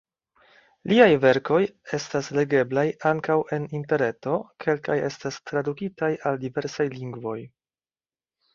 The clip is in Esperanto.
Liaj verkoj estas legeblaj ankaŭ en interreto, kelkaj estas tradukitaj al diversaj lingvoj.